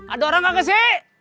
ada orang gak kesih